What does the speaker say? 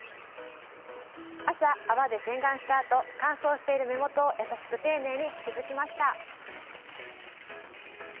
朝、泡で洗顔したあと乾燥している目元を優しく丁寧に保湿しました。